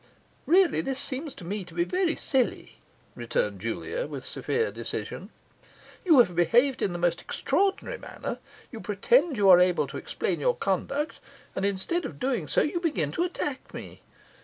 'Really this seems to me to be very silly,' returned Julia, with severe decision. 'You have behaved in the most extraordinary manner; you pretend you are able to explain your conduct, and instead of doing so you begin to attack me.